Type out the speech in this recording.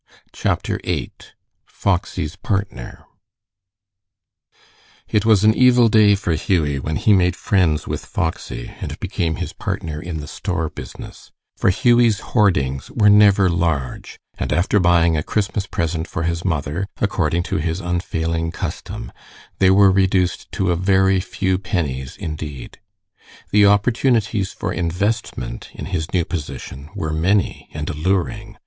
CHAPTER VIII FOXY'S PARTNER It was an evil day for Hughie when he made friends with Foxy and became his partner in the store business, for Hughie's hoardings were never large, and after buying a Christmas present for his mother, according to his unfailing custom, they were reduced to a very few pennies indeed. The opportunities for investment in his new position were many and alluring.